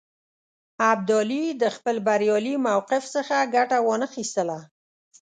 ابدالي د خپل بریالي موقف څخه ګټه وانه خیستله.